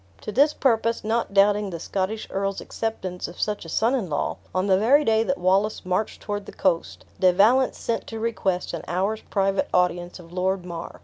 To this purpose, not doubting the Scottish's earl acceptance of such a son in law, on the very day that Wallace marched toward the coast, De Valence sent to request an hour's private audience of Lord Mar.